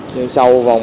nhưng sau vòng